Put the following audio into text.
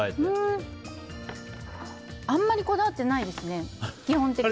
あんまりこだわってないですね。